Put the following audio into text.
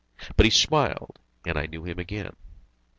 But he smiled, and I knew him again.